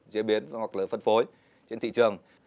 chế biến hoặc là phân phối trên thị trường